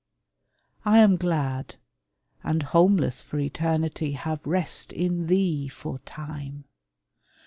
I am glad, And, homeless for Eternity, have rest In thee for Time.